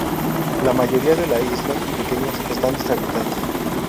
La mayoría de las islas pequeñas están deshabitadas.